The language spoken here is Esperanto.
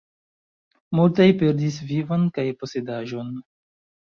Multaj perdis vivon kaj posedaĵon.